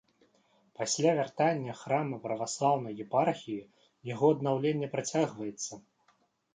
Пасля вяртання храма праваслаўнай епархіі яго аднаўленне працягваецца.